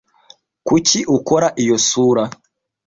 Kuki ukora iyo sura?